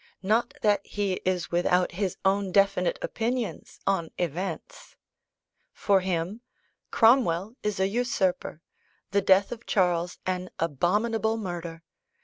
Not that he is without his own definite opinions on events. For him, Cromwell is a usurper, the death of Charles an abominable murder.